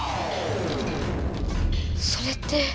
それって。